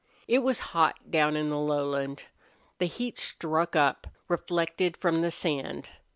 It was hot down in the lowland. The heat struck up, reflected from the sand.